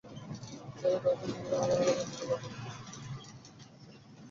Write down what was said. চাইলেই কাউকে নিয়ে নিতে পারো না, ক্লেয়ার।